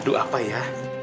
aduh apa ya